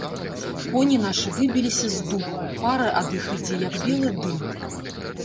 Коні нашы выбіліся з духу, пара ад іх ідзе, як белы дым.